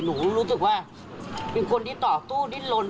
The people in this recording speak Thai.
รู้สึกว่าเป็นคนที่ต่อสู้ดิ้นลน